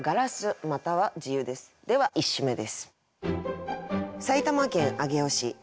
では１首目です。